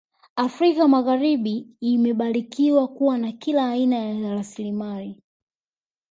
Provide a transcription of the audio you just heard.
Afrika magharibi imebarikiwa kuwa na kila aina ya rasilimali